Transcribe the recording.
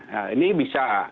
nah ini bisa